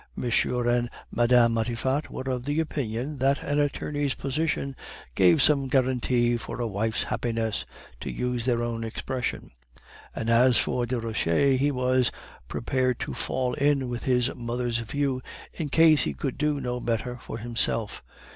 M. and Mme. Matifat were of the opinion that an attorney's position 'gave some guarantee for a wife's happiness,' to use their own expression; and as for Desroches, he was prepared to fall in with his mother's views in case he could do no better for himself.